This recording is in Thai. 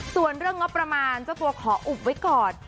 ส่วนเรื่องงบประมาณเจ้าตัวขออุบไว้ก่อน